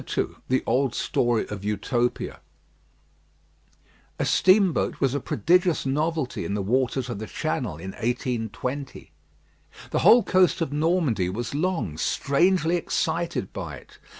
II THE OLD STORY OF UTOPIA A steamboat was a prodigious novelty in the waters of the Channel in 182 . The whole coast of Normandy was long strangely excited by it.